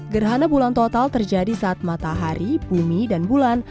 gerhana bulan total terjadi saat matahari bumi dan bulan